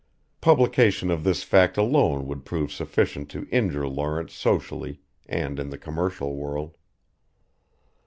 Publication of this fact alone would prove sufficient to injure Lawrence socially and in the commercial world.